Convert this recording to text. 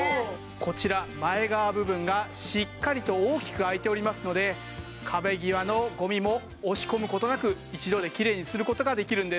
こちら前側部分がしっかりと大きく開いておりますので壁際のゴミも押し込む事なく一度できれいにする事ができるんです。